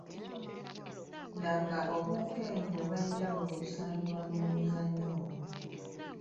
Laga obunkenke obw’enjawulo obusangibwa mu muzannyo ogwo.